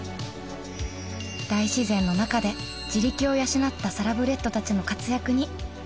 大自然の中で地力を養ったサラブレッドたちの活躍に注目です